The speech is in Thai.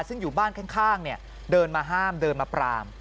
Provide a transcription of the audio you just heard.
ซึ่งอยู่บ้านข้างเดินมาห้ามเดินมาปราม